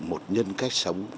một nhân cách sống